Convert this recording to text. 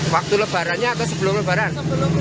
waktu lebarannya atau sebelum lebaran